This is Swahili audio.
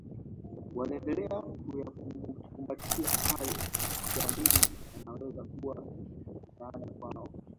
waliendelea kuyakumbatia hayo wakiamini yanaweza kuwa msaada kwao